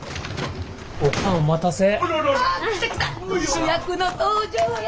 主役の登場や。